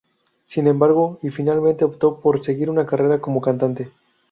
Sin embargo y finalmente optó por seguir una carrera como cantante.